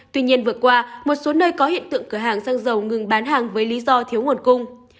tuy nhiên vừa qua một số nơi có hiện tượng cửa hàng xăng dầu ngừng bán hàng với lý do thiếu nguồn cung